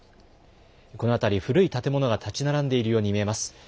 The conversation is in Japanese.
この辺り、古い建物が建ち並んでいるように見えます。